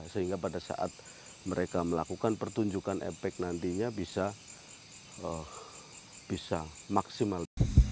sehingga pada saat mereka melakukan pertunjukan efek nantinya bisa maksimal